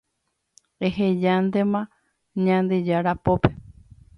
Ehejántema Ñandejára pópe